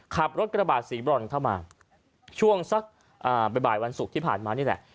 ขับรถกระบาดสีบรอนเข้ามาช่วงสักบ่ายวันศุกร์ที่ผ่านมานี่แหละ